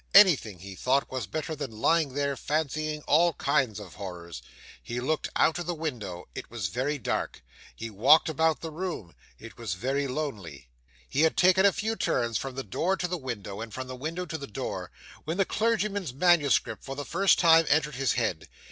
Anything, he thought, was better than lying there fancying all kinds of horrors. He looked out of the window it was very dark. He walked about the room it was very lonely. He had taken a few turns from the door to the window, and from the window to the door, when the clergyman's manuscript for the first time entered his head.